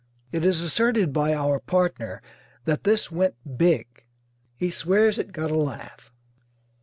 It is asserted by our partner that "this went big." He swears it got a laugh.